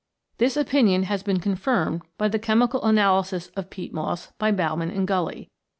This opinion has been con firmed by the chemical analysis of peat moss by Baumann and Gully.